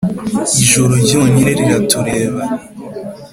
ijoro ryonyine riratureba -